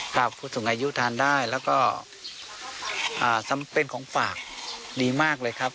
ผู้สูงอายุทานได้แล้วก็เป็นของฝากดีมากเลยครับ